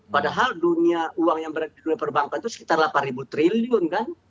padahal dunia uang yang berada di dunia perbankan itu sekitar delapan triliun kan